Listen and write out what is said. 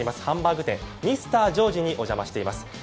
ハンバーグ店ミスタージョージにお邪魔しています。